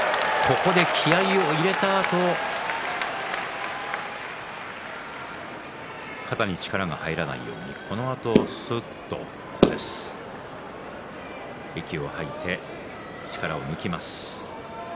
ここで気合いを入れたあと肩に力が入らないようにすーっと息を吐いて力を抜きます。